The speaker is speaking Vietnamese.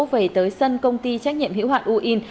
về tới sân công ty trách nhiệm hữu hạn uyên